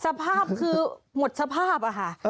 สภาพคือหมดสภาพอะค่ะ